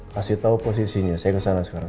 beritahu posisinya saya kesana sekarang